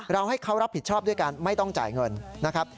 ให้เขารับผิดชอบด้วยการไม่ต้องจ่ายเงินนะครับ